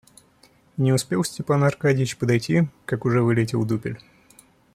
И не успел Степан Аркадьич подойти, как уж вылетел дупель.